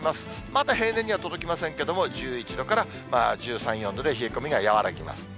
まだ平年には届きませんけれども、１１度から１３、４度で、冷え込みが和らぎます。